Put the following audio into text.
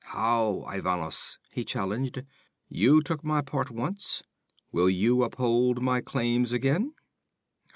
'How, Ivanos!' he challenged. 'You took my part, once. Will you uphold my claims again?'